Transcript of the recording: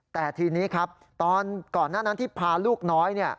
แต่ทีนี้ครับตอนก่อนหน้านั้นที่พาลูกน้อย